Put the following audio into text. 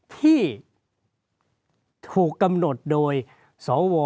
ที่ถูกกำหนดโดยสว